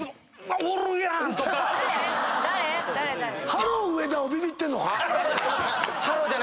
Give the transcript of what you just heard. ハロー植田をビビってんのか？